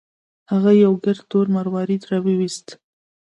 هغه یو ګرد تور مروارید راوویست.